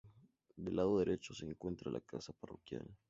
Del lado derecho se encuentra la casa parroquial.